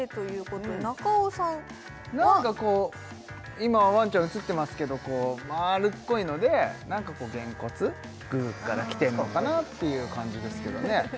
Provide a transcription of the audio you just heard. ことで中尾さん何かこう今ワンちゃん写ってますけどこう丸っこいので何かこうゲンコツグーからきてんのかなっていう感じですけどね